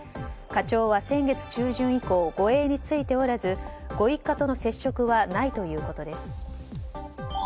課長は先月中旬以降護衛についておらずご一家との接触はないということです。